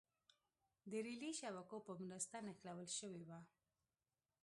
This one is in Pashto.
د رېلي شبکو په مرسته نښلول شوې وه.